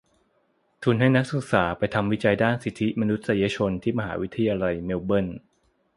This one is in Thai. ทุนให้นักศึกษาไปทำวิจัยด้านสิทธิมนุษยชนที่มหาวิทยาลัยเมลเบิร์น